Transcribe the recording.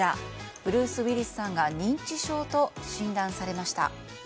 ブルース・ウィリスさんが認知症と診断されました。